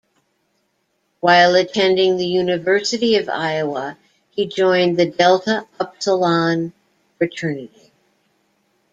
While attending the University of Iowa he joined The Delta Upsilon Fraternity.